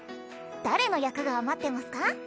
誰の役が余ってますか？